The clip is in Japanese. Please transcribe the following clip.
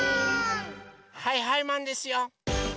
はいはいマンですよ！